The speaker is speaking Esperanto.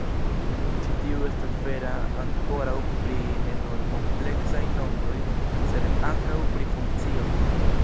Ĉi tiu estas vera ankoraŭ pri ne nur kompleksaj nombroj, sed ankaŭ pri funkcioj.